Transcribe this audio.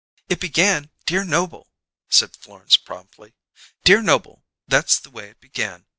"It began, 'Dear Noble,'" said Florence promptly. "Dear Noble'; that's the way it began.